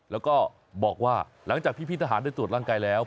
แล้วก็บอกว่าหลังจากพี่ทหารได้ตรวจร่างกายแล้ว